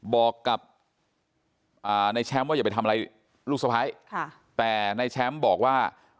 บอกกับนายแชมป์ว่าอย่าไปทำอะไรลูกสะพ้ายแต่ในแชมป์บอกว่า